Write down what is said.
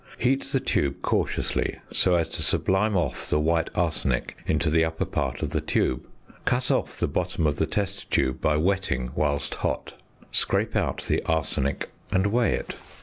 Heat the tube cautiously so as to sublime off the white arsenic into the upper part of the tube. Cut off the bottom of the test tube by wetting whilst hot. Scrape out the arsenic and weigh it.